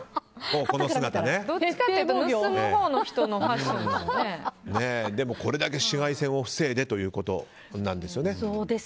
盗み人のほうのでも、これだけ紫外線を防いでということなんですね。